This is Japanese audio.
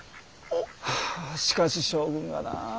はぁしかし将軍がな。